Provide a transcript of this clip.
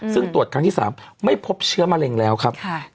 ซึ่งตรวจครั้งที่๓ไม่พบเชื้อมะเร็งแล้วครับ